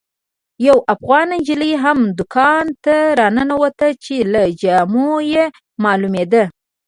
یوه افغانه نجلۍ هم دوکان ته راننوته چې له جامو یې معلومېده.